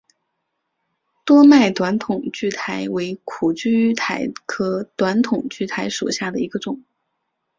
多脉短筒苣苔为苦苣苔科短筒苣苔属下的一个种。